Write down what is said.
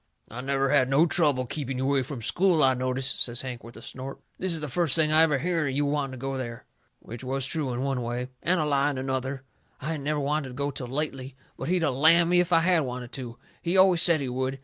"I never had no trouble keeping you away from school, I notice," says Hank, with a snort. "This is the first I ever hearn of you wanting to go there." Which was true in one way, and a lie in another. I hadn't never wanted to go till lately, but he'd of lammed me if I had of wanted to. He always said he would.